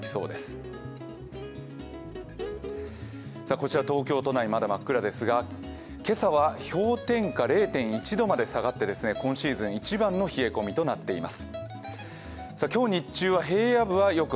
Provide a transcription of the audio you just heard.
こちら東京都内、まだ真っ暗ですが今朝は氷点下０．１度まで下がって今シーズン一番の冷え込みとなっています。